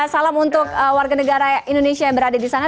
salam untuk warga negara indonesia yang berada di sana